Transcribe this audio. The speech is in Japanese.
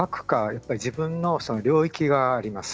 やっぱり自分の領域があります。